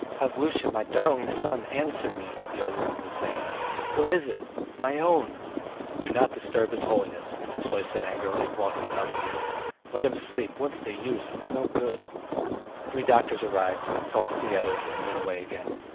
"Pavlusha, my darling son, answer me," the old woman was saying. "What is it? My own!" "Don't disturb his holiness," Sisoy said angrily, walking about the room. "Let him sleep ... what's the use ... it's no good. ..." Three doctors arrived, consulted together, and went away again.